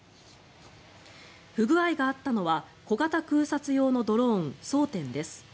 不具合があったのは小型空撮用のドローンＳＯＴＥＮです。